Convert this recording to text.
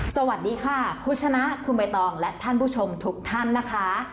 สวัสดีค่ะคุณชนะคุณใบตองและท่านผู้ชมทุกท่านนะคะ